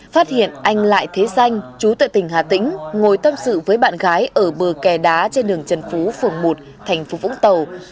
phan thanh chú tại tỉnh hà tĩnh ngồi tâm sự với bạn gái ở bờ kè đá trên đường trần phú phường một tp vũng tàu